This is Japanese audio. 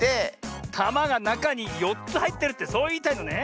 たまがなかに４つはいってるってそういいたいのね。